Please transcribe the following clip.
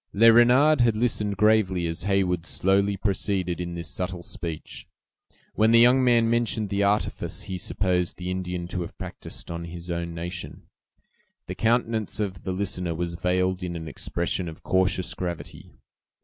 Le Renard had listened gravely as Heyward slowly proceeded in this subtle speech. When the young man mentioned the artifice he supposed the Indian to have practised on his own nation, the countenance of the listener was veiled in an expression of cautious gravity.